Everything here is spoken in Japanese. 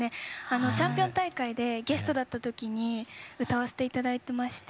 チャンピオン大会でゲストだった時に歌わせて頂いてまして。